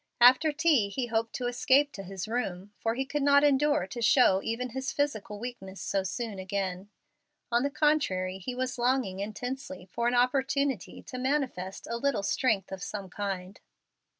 After tea he hoped to escape to his room, for he could not endure to show even his physical weakness so soon again. On the contrary, he was longing intensely for an opportunity to manifest a little strength of some kind.